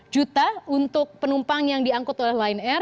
empat juta untuk penumpang yang diangkut oleh lion air